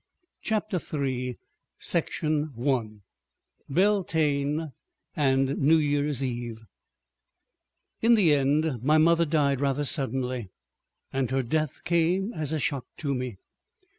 CHAPTER THE THIRD BELTANE AND NEW YEAR'S EVE § 1 In the end my mother died rather suddenly, and her death came as a shock to me.